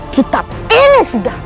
kita ini sudah